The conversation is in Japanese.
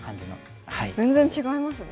全然違いますね。